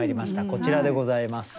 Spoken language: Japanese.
こちらでございます。